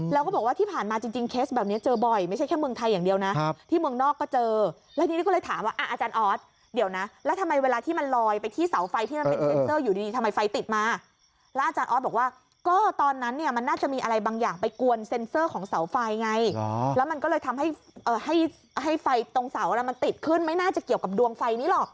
แล้วมันก็เลยทำให้ไฟตรงเสาระมันติดขึ้นไม่น่าจะเกี่ยวกับดวงไฟนี้หรอก